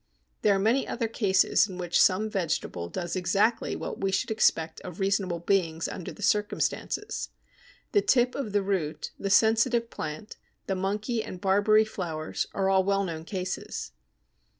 There are many other cases in which some vegetable does exactly what we should expect of reasonable beings under the circumstances. The tip of the root (see p. 89), the Sensitive Plant, the Monkey and Barberry flowers, are all well known cases.